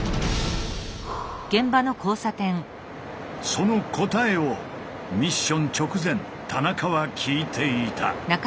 その答えをミッション直前田中は聞いていた。